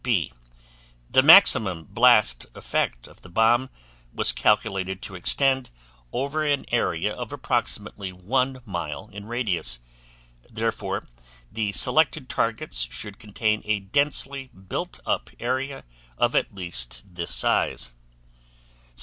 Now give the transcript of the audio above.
B. The maximum blast effect of the bomb was calculated to extend over an area of approximately 1 mile in radius; therefore the selected targets should contain a densely built up area of at least this size.